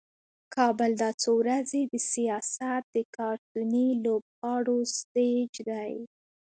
کابل دا څو ورځې د سیاست د کارتوني لوبغاړو سټیج دی.